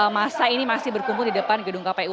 masa ini masih berkumpul di depan gedung kpu